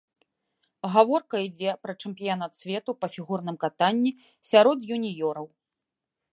Гаворка ідзе пра чэмпіянат свету па фігурным катанні сярод юніёраў.